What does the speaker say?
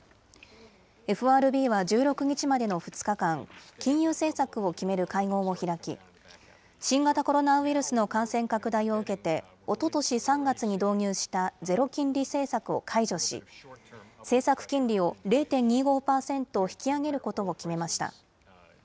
ＦＲＢは１６日までの２日間金融政策を決める会合を開き新型コロナウイルスの感染拡大を受けておととし３月に導入したゼロ金利政策を解除し政策金利を０．２５パーセント引き上げることを決めました。